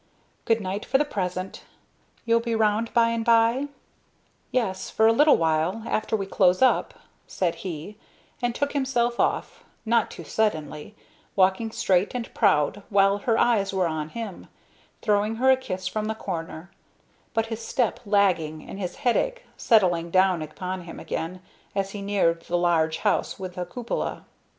Good night for the present; you'll be round by and by?" "Yes, for a little while, after we close up," said he, and took himself off, not too suddenly, walking straight and proud while her eyes were on him, throwing her a kiss from the corner; but his step lagging and his headache settling down upon him again as he neared the large house with the cupola.